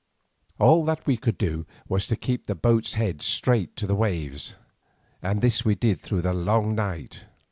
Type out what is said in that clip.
All that we could do was to keep the boat's head straight to the waves, and this we did through the long night.